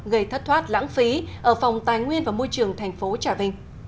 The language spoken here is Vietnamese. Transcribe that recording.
gây thất thoát lãng phí ở phòng tài nguyên và môi trường tp trà vinh